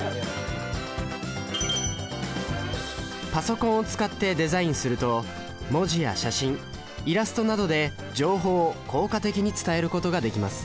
パソコンを使ってデザインすると文字や写真イラストなどで情報を効果的に伝えることができます。